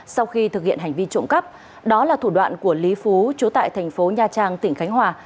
sau khi thực hiện hành vi trộm cắp đó là thủ đoạn của lý phú trú tại thành phố nha trang tỉnh khánh hòa